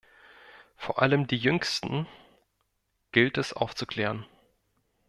Vor allem die Jüngsten gilt es aufzuklären.